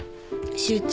集中。